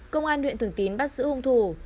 công an huyện thường tín bắt xử hung thủ